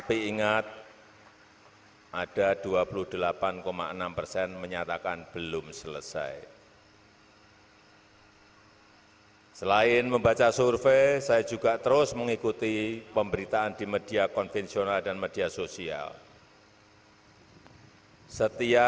penghormatan kepada panji panji kepolisian negara republik indonesia tri brata